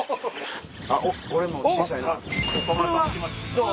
どう？